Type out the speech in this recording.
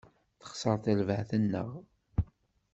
Texser terbaεt-nneɣ.